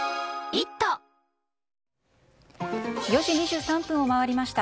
４時２３分を回りました。